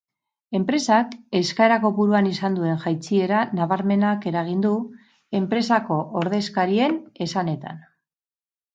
Enpresak eskaera kopuruan izan duen jaitsiera nabarmenak eragin du, enpresako ordezkarien esanetan.